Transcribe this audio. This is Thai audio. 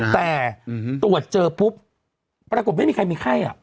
แต่ตรวจเจอปุ๊บปรากฏไม่มีใครมีไข้